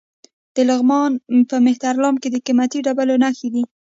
د لغمان په مهترلام کې د قیمتي ډبرو نښې دي.